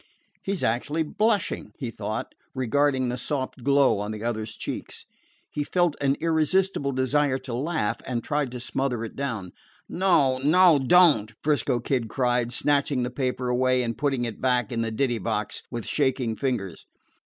"He 's actually blushing," he thought, regarding the soft glow on the other's cheeks. He felt an irresistible desire to laugh, and tried to smother it down. "No, no; don't!" 'Frisco Kid cried, snatching the paper away and putting it back in the ditty box with shaking fingers.